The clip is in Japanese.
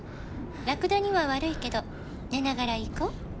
「ラクダには悪いけど寝ながら行こう」